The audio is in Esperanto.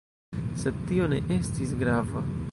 Sed tio ne estis grava.